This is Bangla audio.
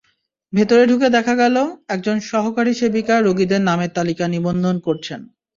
ভেতরে ঢুকে দেখা গেল, একজন সহকারী সেবিকা রোগীদের নামের তালিকা নিবন্ধন করছেন।